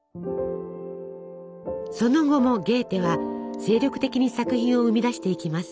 その後もゲーテは精力的に作品を生み出していきます。